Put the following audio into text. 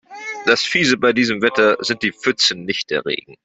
Das Fiese bei diesem Wetter sind die Pfützen, nicht der Regen.